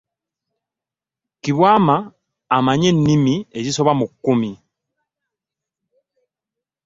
Kibwama amanyi ennimi ezisoba mu kkumi.